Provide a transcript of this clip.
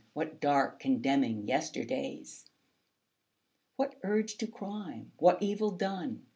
What dark, condemning yesterdays? What urge to crime, what evil done?